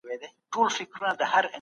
تیاره د شپې خپره وه